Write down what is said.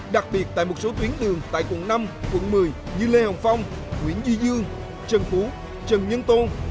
đặc biệt tại một số tuyến đường tại quận năm quận một mươi như lê hồng phong nguyễn duy dương trần phú trần nhân tôn